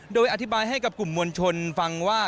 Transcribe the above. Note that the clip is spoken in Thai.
โดยอธิบายให้กับกลุ่มมวลชนฟังว่า